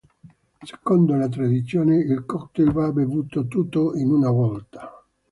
Secondo la tradizione il cocktail va bevuto tutto in una volta.